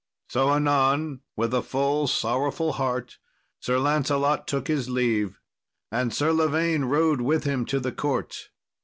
So anon, with a full sorrowful heart, Sir Lancelot took his leave, and Sir Lavaine rode with him to the court.